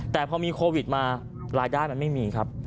แต่พอมีโควิดมารายได้มันไม่มีครับ